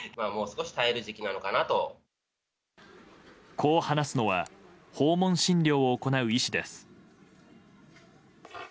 こう話すのは訪問診療を行う医師です。